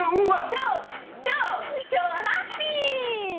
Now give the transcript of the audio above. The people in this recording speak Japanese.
超、超、超ハッピー！